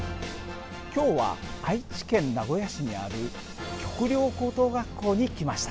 今日は愛知県名古屋市にある旭陵高等学校に来ました。